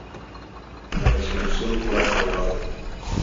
La Resolución fue aprobada.